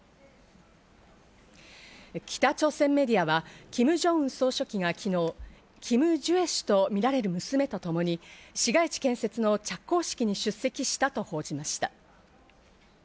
北朝鮮メディアは、キム・ジョンウン総書記が昨日、キム・ジュエ氏とみられる娘とともに市街地建設の着工式に出席したと報じました。